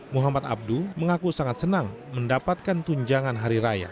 muhammad abdu mengaku sangat senang mendapatkan tunjangan hari raya